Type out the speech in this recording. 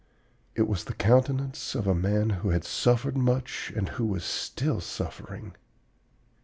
It was the countenance of a man who had suffered much, and who was still suffering.